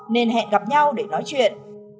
nên hẹn gặp nhau để nói chuyện